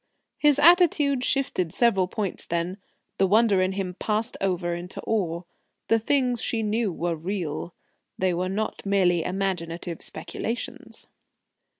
His attitude shifted several points then. The wonder in him passed over into awe. The things she knew were real. They were not merely imaginative speculations.